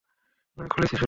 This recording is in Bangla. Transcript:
না, খুলেছি শুধু।